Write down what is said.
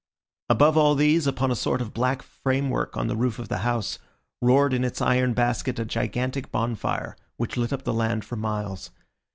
Above all these, upon a sort of black framework on the roof of the house, roared in its iron basket a gigantic bonfire, which lit up the land for miles.